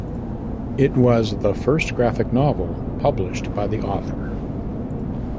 It was the first graphic novel published by the author.